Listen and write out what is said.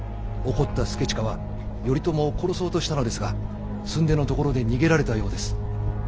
怒った祐親は頼朝を殺そうとしたのですがすんでのところで逃げられたようです。